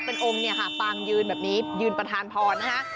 เป็นองค์เนี่ยค่ะปางยืนแบบนี้ยืนประธานพรนะฮะ